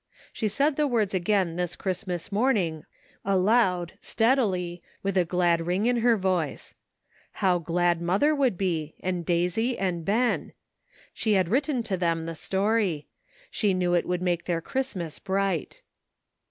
She said the words again this Christmas morning aloud steadily, with a glad ring in her voice. How glad mother would be, and Daisy and Ben. She GItJSAT QUESTIONS SETTLED. 299 had written to them the story. She knew it would make their Christmas bright.